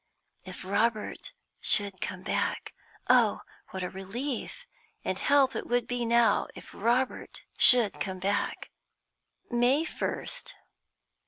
If Robert should come back! Oh, what a relief and help it would be now if Robert should come back! May 1st.